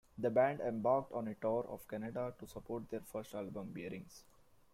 The band embarked on a tour of Canada to support their first album 'Bearings'.